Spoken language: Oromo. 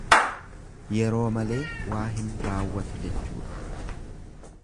Yeroo malee waa hin raawwatu jechuudha.